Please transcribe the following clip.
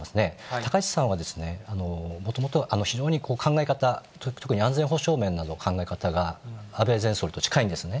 高市さんはもともとは非常に考え方、特に安全保障面などの考え方が安倍前総理と近いんですね。